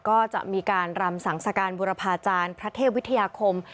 ก็จะมีการรำสังสการบุรพาจารย์พระเทพวิทยาคม